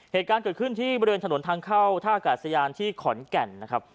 เหตุการณ์เกิดขึ้นที่บริเวณถนนทางเข้าท่ากาศยานที่ขอนแก่นนะครับ